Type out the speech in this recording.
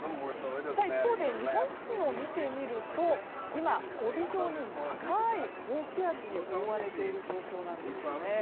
一方で日本付近を見てみると今、帯状に長い高気圧に覆われている状況なんですよね。